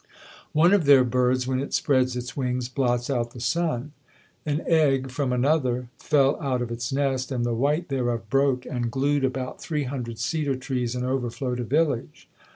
One of their birds, when it spreads its wings, blots out the sun. An egg from another fell out of its nest, and the white thereof broke and glued about three hundred cedar trees, and overflowed a village.